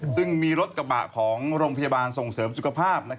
ซึ่งมีรถกระบะของโรงพยาบาลส่งเสริมสุขภาพ